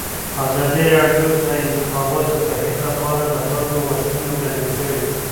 ازادي راډیو د د انتخاباتو بهیر لپاره د خلکو غوښتنې وړاندې کړي.